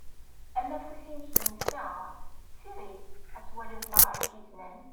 Amafus-inek insa. Siɣ-it ad twaliḍ ma ɣer-k izenan.